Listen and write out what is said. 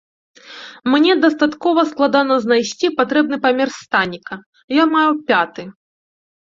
Мне дастаткова складана знайсці патрэбны памер станіка, я маю пяты.